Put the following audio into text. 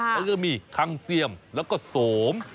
มันก็มีคังเสี่ยมและก็สวม